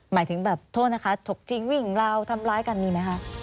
หมายถึงแบบโทษนะคะถกจริงวิ่งราวทำร้ายกันมีไหมคะ